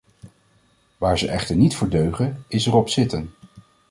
Waar ze echter niet voor deugen, is erop zitten.